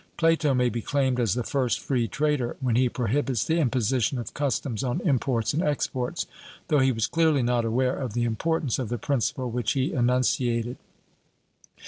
Plato may be claimed as the first free trader, when he prohibits the imposition of customs on imports and exports, though he was clearly not aware of the importance of the principle which he enunciated.